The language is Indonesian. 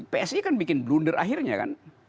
psi kan bikin blunder akhirnya kan